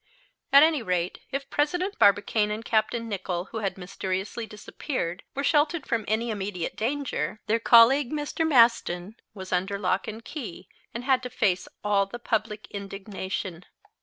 At any rate, if President Barbicane and Capt. Nicholl, who had mysteriously disappeared, were sheltered from any immediate danger, their colleague, Mr. Maston, was under lock and key, and had to face all the public indignation.